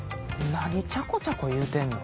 何ちゃこちゃこ言うてんの？